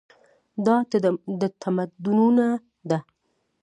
دا د تمدنونو ده.